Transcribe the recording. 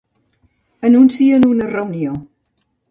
Anuncien una reunió.